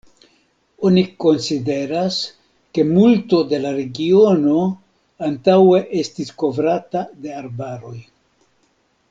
Oni konsideras ke multo de la regiono antaŭe estis kovrata de arbaroj.